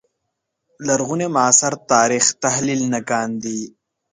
لرغوني معاصر تاریخ تحلیل نه کاندي